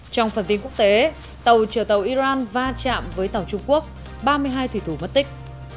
trong phần tin quốc tế tàu chở tàu iran va chạm với tàu trung quốc ba mươi hai thủy thủ mất tích